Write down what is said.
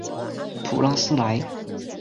普拉斯莱。